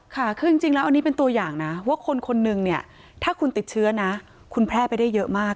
ค่ะคือจริงแล้วนี่เป็นตัวอย่างว่าคนหนึ่งถ้าคุณติดเชื้อคุณแพร่ไปได้เยอะมาก